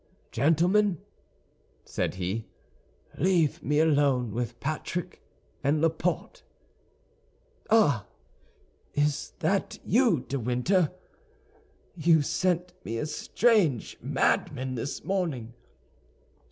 "Gentlemen," said he, "leave me alone with Patrick and Laporte—ah, is that you, De Winter? You sent me a strange madman this morning!